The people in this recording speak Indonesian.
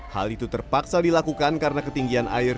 hal itu terpaksa dilakukan karena ketinggian air